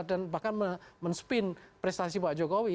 dan bahkan men spin prestasi pak jokowi